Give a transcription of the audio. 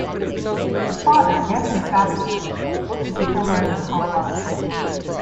Her father, Anton Sablich, worked as a coal miner in Colorado.